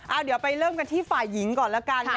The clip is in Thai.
เอาเดี๋ยวไปเริ่มกันที่ฝ่ายหญิงก่อนแล้วกันนะ